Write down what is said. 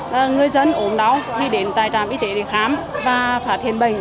là người dân ổn đau thì đến tài trạm y tế để khám và phát triển bệnh